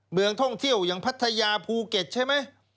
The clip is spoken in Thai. เมืองท่องเที่ยวอย่างพัทยาภูเก็ตใช่ไหม